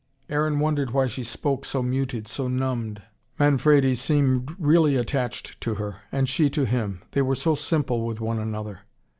Aaron wondered why she spoke so muted, so numbed. Manfredi seemed really attached to her and she to him. They were so simple with one another.